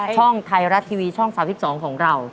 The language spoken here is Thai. ช่องไทยรัฐทีวีช่อง๓๒ของเรา